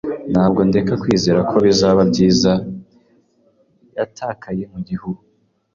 Ntabwo ndeka kwizera ko bizaba byiza Yatakaye mu gihu